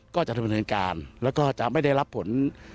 ก็จะดำเนินการแล้วก็จะไม่ได้รับผล